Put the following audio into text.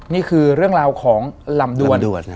นี่คือเรื่องราวของลำดวน